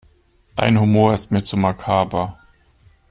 Dein Humor ist mir zu makaber.